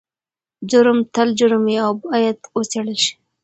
جرم تل جرم وي او باید وڅیړل شي.